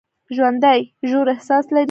ژوندي ژور احساس لري